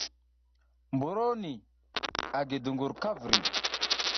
Mburo ni a gi dungur ka vri.